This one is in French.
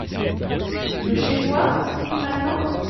De chez toi ? si matin ?